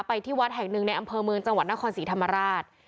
ที่วัดแห่งหนึ่งในอำเภอเมืองจังหวัดนครศรีธรรมราช